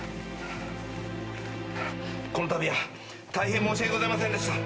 このたびは大変申し訳ございませんでした。